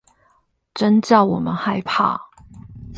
真叫我們害怕